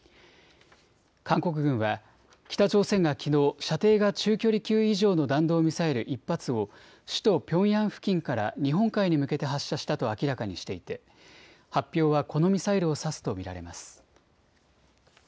韓国軍は北朝鮮がきのう射程が中距離級以上の弾道ミサイル１発を首都ピョンヤン付近から日本海に向けて発射したと明らかにしていて発表はこのミサイルを指すと見られます。